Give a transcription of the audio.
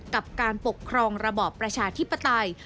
กับการปกครองระบอบประชาธิปไตย